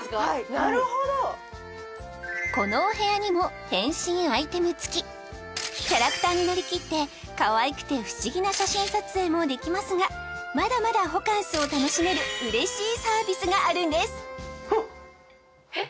なるほどこのお部屋にも変身アイテム付きキャラクターになりきってかわいくて不思議な写真撮影もできますがまだまだホカンスを楽しめる嬉しいサービスがあるんですあっえっ！？